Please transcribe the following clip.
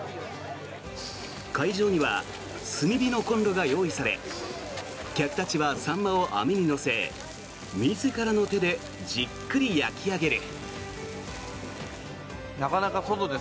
会場には炭火のコンロが用意され客たちはサンマを網に乗せ自らの手でじっくり焼き上げる。